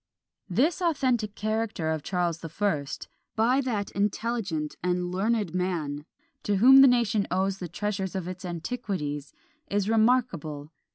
" This authentic character of Charles the First, by that intelligent and learned man, to whom the nation owes the treasures of its antiquities, is remarkable.